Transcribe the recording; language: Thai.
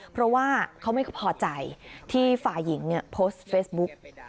เพราะว่าเขาไม่พอใจที่ฝ่ายหญิงโพสต์เฟซบุ๊ก